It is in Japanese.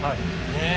ねえ。